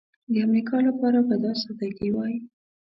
د امریکا لپاره به دا سادګي وای.